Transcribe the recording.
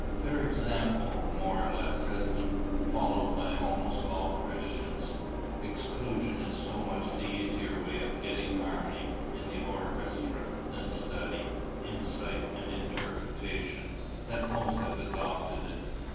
Their example, more or less, has been followed by almost all Christians. Exclusion is so much the easier way of getting harmony in the orchestra than study, insight, and interpretation, that most have adopted it.